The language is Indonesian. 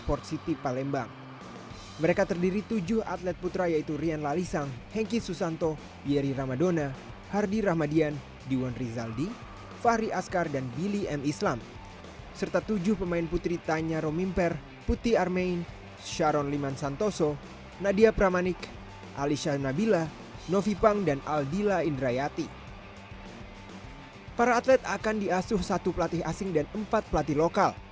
para atlet akan diasuh satu pelatih asing dan empat pelatih lokal